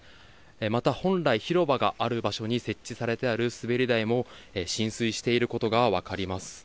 また、本来広場がある場所に設置されてある滑り台も、浸水していることが分かります。